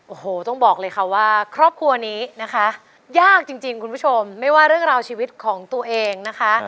โอ้โหต้องบอกเลยค่ะว่าครอบครัวนี้นะคะยากจริงคุณผู้ชมไม่ว่าเรื่องราวชีวิตของตัวเองนะคะ